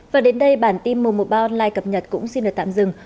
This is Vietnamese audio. và đến đây bản tin mùa một mươi ba online cập nhật cũng xin được tạm dừng